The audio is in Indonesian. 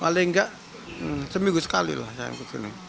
paling enggak seminggu sekali lah saya menggunakan